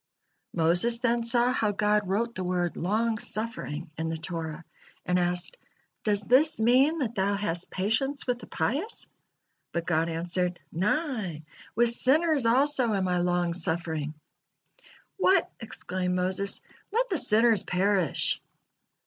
Moses then saw how God wrote the word "long suffering" in the Torah, and asked: "Does this mean that Thou hast patience with the pious?" But God answered: "Nay, with sinners also am I long suffering." "What!" exclaimed Moses, "Let the sinners perish!"